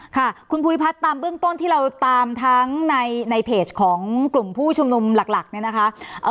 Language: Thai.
ค่ะคุณภูริพัฒน์ตามเบื้องต้นที่เราตามทั้งในเพจของกลุ่มผู้ชุมนุมหลักเนี่ยนะคะ